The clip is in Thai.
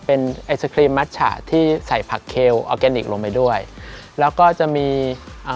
เป็นไอศครีมมัชฉะที่ใส่ผักเคลออร์แกนิคลงไปด้วยแล้วก็จะมีอ่า